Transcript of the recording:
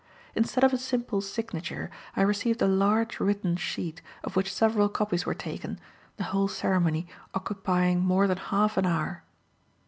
Instead of a simple signature, I received a large written sheet, of which several copies were taken, the whole ceremony occupying more than half an hour.